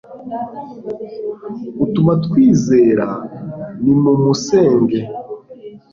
utuma twizera nimumusenge